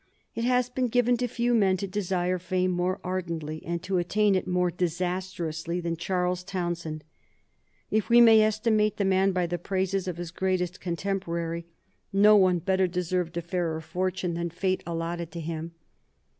It has been given to few men to desire fame more ardently, and to attain it more disastrously, than Charles Townshend. If we may estimate the man by the praises of his greatest contemporary, no one better deserved a fairer fortune than fate allotted to him.